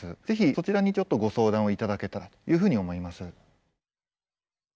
是非そちらにちょっとご相談をいただけたらというふうに思います。